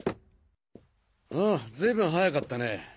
ずいぶん早かったね。